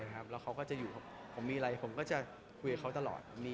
แล้วเขาก็จะอยู่ผมมีอะไรผมก็จะคุยกับเขาตลอด